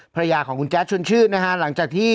พระยาของคุณแจ๊กชนชื่นนะฮะ